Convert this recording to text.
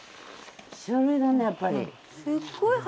書類だねやっぱり。